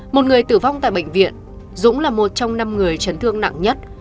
một người tử vong tại bệnh viện dũng là một trong năm người chấn thương nặng nhất